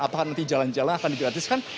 apakah nanti jalan jalan akan digratiskan